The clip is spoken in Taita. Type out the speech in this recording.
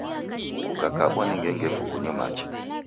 Kukakabwa ni ngengefu kunyo machi.